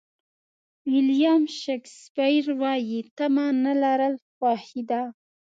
ویلیام شکسپیر وایي تمه نه لرل خوښي ده.